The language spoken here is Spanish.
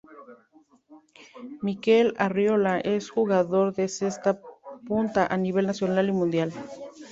Mikel Arriola es jugador de cesta punta a nivel nacional y mundial.